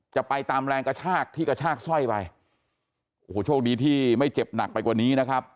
จะไปตามแรงกระชากที่กระชากสร้อยไปโอ้โหโชคดีที่ไม่เจ็บหนักไปกว่านี้นะครับ